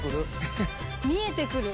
見えてくる？